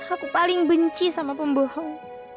aku paling benci sama pembohong